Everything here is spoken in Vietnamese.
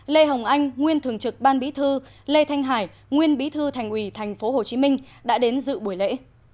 lê hồng anh nguyên thường trực ban bí thư lê thanh hải nguyên bí thư thành ủy tp hcm đã đến dự buổi lễ